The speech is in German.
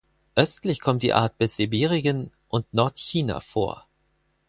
Östlich kommt die Art bis Sibirien und Nordchina vor.